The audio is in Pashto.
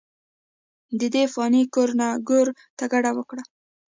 ددې فاني کور نه ګور ته کډه اوکړه،